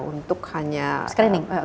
untuk hanya screening